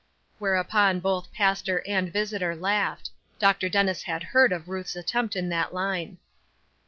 Whereupon both pastor and visitor laughed. Dr. Dennis had heard of Ruth's attempt in that line.